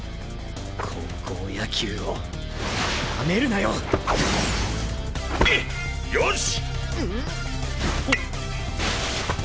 高校野球をなめるなよ！よし！